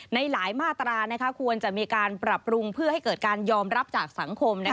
ในหลายมาตราควรจะมีการปรับปรุงเพื่อให้เกิดการยอมรับจากสังคม